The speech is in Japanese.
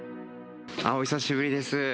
お久しぶりです。